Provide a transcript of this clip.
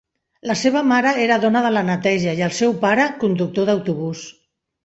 La seva mare era dona de la neteja i el seu pare, conductor d'autobús.